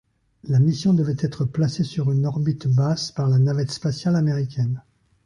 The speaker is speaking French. La mission devait être placée sur une orbite basse par la Navette spatiale américaine.